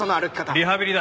リハビリだ。